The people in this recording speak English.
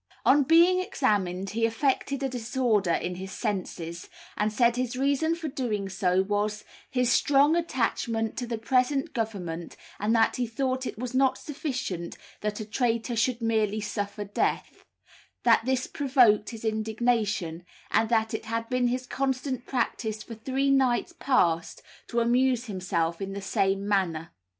On being examined he affected a disorder in his senses, and said his reason for doing so was "his strong attachment to the present Government, and that he thought it was not sufficient that a traitor should merely suffer death; that this provoked his indignation, and that it had been his constant practice for three nights past to amuse himself in the same manner.